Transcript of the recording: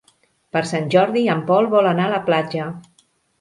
Per Sant Jordi en Pol vol anar a la platja.